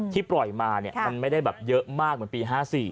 ที่ปล่อยมามันไม่ได้เยอะมากเหมือนปี๑๙๕๔